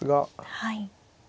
はい。